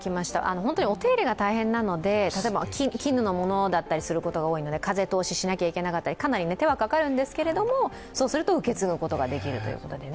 本当にお手入れが大変なので、例えば絹のものだったりすることが多いので、風通ししなきゃいけなかったり手はかかるんですけれどもそうすると受け継ぐことができるということでね。